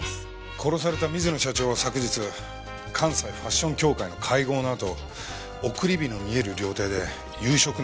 殺された水野社長は昨日関西ファッション協会の会合のあと送り火の見える料亭で夕食の予定だったそうです。